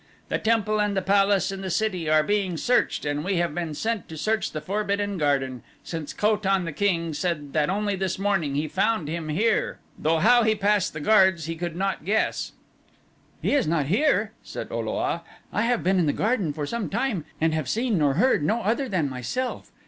The temple, and the palace, and the city are being searched and we have been sent to search the Forbidden Garden, since Ko tan, the king, said that only this morning he found him here, though how he passed the guards he could not guess." "He is not here," said O lo a. "I have been in the garden for some time and have seen nor heard no other than myself.